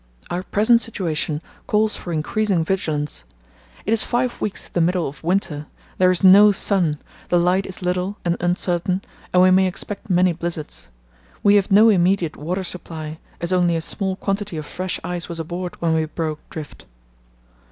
Our present situation calls for increasing vigilance. It is five weeks to the middle of winter. There is no sun, the light is little and uncertain, and we may expect many blizzards. We have no immediate water supply, as only a small quantity of fresh ice was aboard when we broke drift.